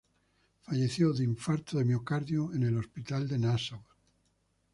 Falleció de infarto de miocardio en el hospital de Nasáu.